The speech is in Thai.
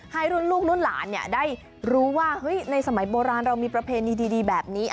ให้รุ่นลูกรุ่นหลานได้รู้ว่าในสมัยโบราณเรามีประเพณีดีแบบนี้